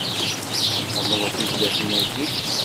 Tḥemmleḍ tizlatin-agi?